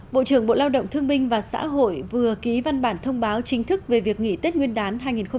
bộ trưởng bộ lao động thương minh và xã hội vừa ký văn bản thông báo chính thức về việc nghỉ tết nguyên đán hai nghìn hai mươi